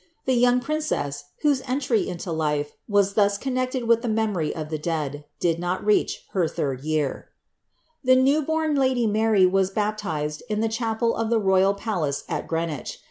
The young priDcess, whoM abj into life was thus connecieii wilh the memory of tbe dead, did oot mci Lcr iliiid year. The tiew bom lady Mary xns baptized in the chapel of the tojfi palace at Greeawich.